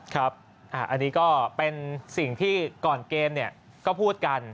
ครับอันนี้ก็เป็นสิ่งที่ก่อนเกมก็พูดกัน